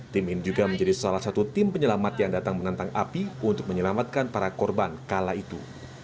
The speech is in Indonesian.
tim ini juga menjadi salah satu tim penyelamat yang datang menantang api untuk menyelamatkan para korban kala itu